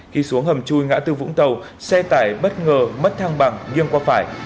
khi xuống hầm chui ngã tư vũng tàu xe tải bất ngờ mất thang bằng nghiêng qua phải